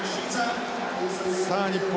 さあ日本